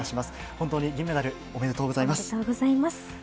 本当に銀メダルおめでとうございます。